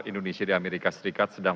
indonesia di amerika serikat sedang